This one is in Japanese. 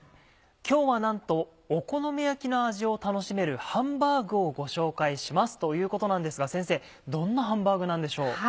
今日はなんとお好み焼きの味を楽しめるハンバーグをご紹介しますということなんですが先生どんなハンバーグなんでしょう？